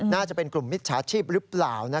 น่าจะเป็นกลุ่มมิจฉาชีพหรือเปล่า